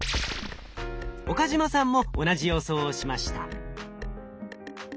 岡嶋さんも同じ予想をしました。